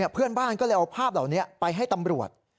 เพื่อนบ้านก็เลยเอาภาพเหล่านี้ไปให้ตำรวจ